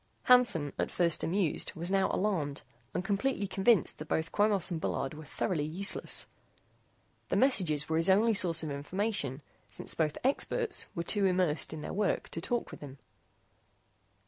Hansen, at first amused, was now alarmed and completely convinced that both Quemos and Bullard were thoroughly useless. The messages were his only source of information, since both "experts" were too immersed in their work to talk with him.